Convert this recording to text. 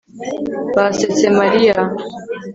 Basetse Mariya